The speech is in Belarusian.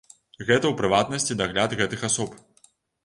Гэта ў прыватнасці дагляд гэтых асоб.